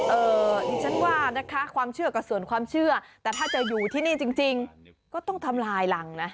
ดิฉันว่านะคะความเชื่อกับส่วนความเชื่อแต่ถ้าจะอยู่ที่นี่จริงก็ต้องทำลายรังนะ